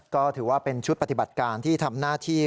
ก็ถือว่าเป็นชุดปฏิบัติการที่ทำหน้าที่